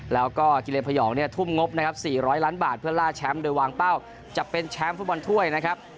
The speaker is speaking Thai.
แล้วก็กิเลพยองเนี่ยทุ่มงบนะครับ๔๐๐ล้านบาทเพื่อล่าแชมป์โดยวางเป้าจะเป็นแชมป์ฟุตบอลถ้วยนะครับ